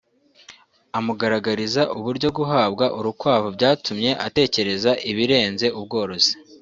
amugaragariza uburyo guhabwa urukwavu byatumye atekereza ibirenze ubworozi